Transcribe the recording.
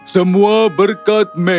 semua berkat meredith